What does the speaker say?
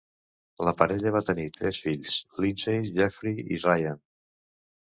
La parella va tenir tres fills: Lindsey, Jeffrey i Ryan.